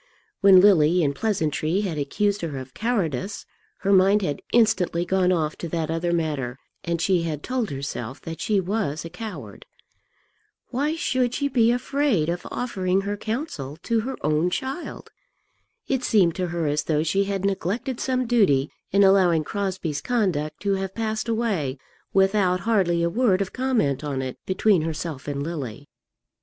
When Lily in pleasantry had accused her of cowardice, her mind had instantly gone off to that other matter, and she had told herself that she was a coward. Why should she be afraid of offering her counsel to her own child? It seemed to her as though she had neglected some duty in allowing Crosbie's conduct to have passed away without hardly a word of comment on it between herself and Lily.